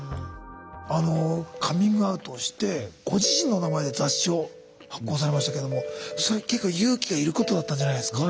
あのカミングアウトしてご自身の名前で雑誌を発行されましたけどもそれ結構勇気がいることだったんじゃないですか。